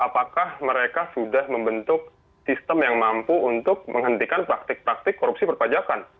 apakah mereka sudah membentuk sistem yang mampu untuk menghentikan praktik praktik korupsi perpajakan